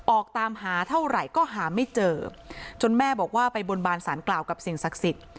ออกตามหาเท่าไหร่ก็หาไม่เจอจนแม่บอกว่าไปบนบานสารกล่าวกับสิ่งศักดิ์สิทธิ์